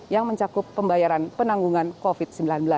yang mencakup pembayaran penanggungan covid sembilan belas